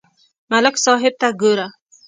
ملک صاحب ته گوره